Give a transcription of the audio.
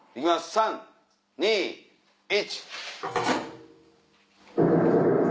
３・２・１。